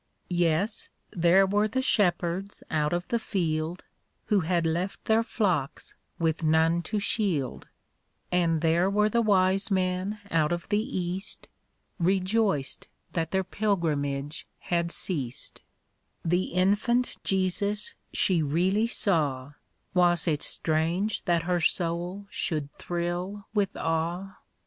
Yes, there were the shepherds out of the field, Who had left their flocks \Af\th none to shield ; And there were the wise men out of the East, Rejoiced that their pilgrimage had ceased ; The infant Jesus she really saw ; Was it strange that her soul should thrill with THE BAHY'S things.